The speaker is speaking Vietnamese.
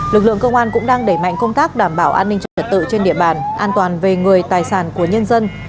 lực lượng công an cũng đang đẩy mạnh công tác đảm bảo an ninh trật tự trên địa bàn an toàn về người tài sản của nhân dân